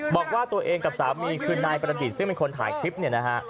บอกว่าตัวเองกับสามีคือนายประดิษฐ์ซึ่งเป็นคนถ่ายคลิปเนี่ยนะฮะ